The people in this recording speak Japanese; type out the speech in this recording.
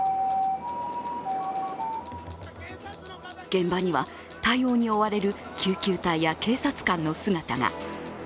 現場には、対応に追われる救急隊や警察官の姿が。